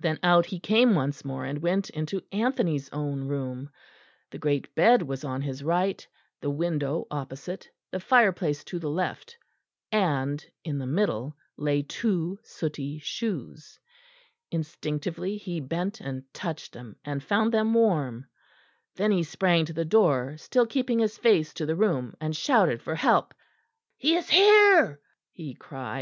Then out he came once more, and went into Anthony's own room. The great bed was on his right, the window opposite, the fireplace to the left, and in the middle lay two sooty shoes. Instinctively he bent and touched them, and found them warm; then he sprang to the door, still keeping his face to the room, and shouted for help. "He is here, he is here!" he cried.